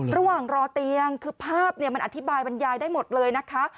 ระหว่างรอเตียงคือภาพมันอธิบายบรรยายได้หมดเลยนะคะ